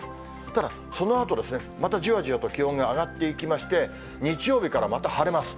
ただそのあと、またじわじわと気温が上がっていきまして、日曜日からまた晴れます。